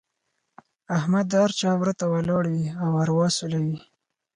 احمد د هر چا وره ته ولاړ وي او اروا سولوي.